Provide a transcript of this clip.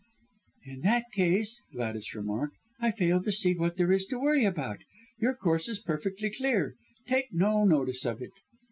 '" "In that case," Gladys remarked, "I fail to see what there is to worry about. Your course is perfectly clear take no notice of it."